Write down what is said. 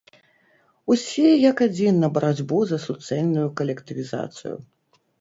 Усе як адзін на барацьбу за суцэльную калектывізацыю!